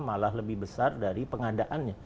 malah lebih besar dari pengadaannya